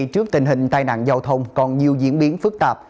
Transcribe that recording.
trước tình hình tai nạn giao thông còn nhiều diễn biến phức tạp